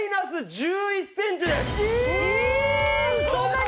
そんなに！？